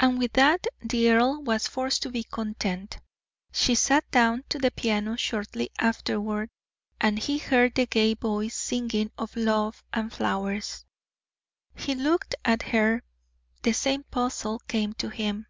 And with that the earl was forced to be content. She sat down to the piano shortly afterward, and he heard the gay voice singing of love and flowers. He looked at her the same puzzle came to him.